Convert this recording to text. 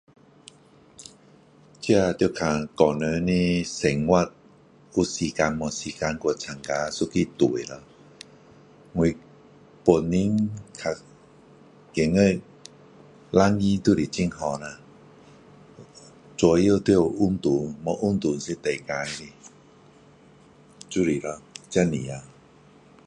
这要看个人的生活有没有时间去参加一个队咯我本身比较觉得两个都是很好主要有运动没有运动是最坏的就是咯对咯